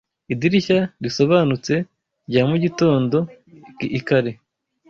'idirishya risobanutse rya mugitondo lkare,